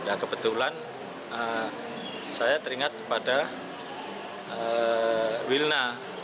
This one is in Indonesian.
dan kebetulan saya teringat kepada wilna